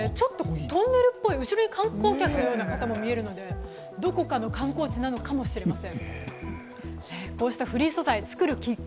トンネルっぽい後ろに観光客のような方も見えるのでどこかの観光地なのかもしれません。